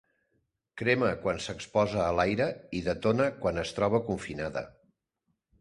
Crema quan s'exposa a l'aire i detona quan es troba confinada.